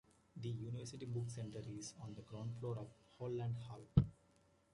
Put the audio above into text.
The University Book Center is on the ground floor of Holland Hall.